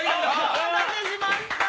お待たせしました。